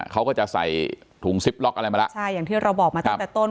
เขาก็จะใส่ถุงซิบล็อกมาล่ะอย่างที่เราบอกมาตั้งแต่ต้น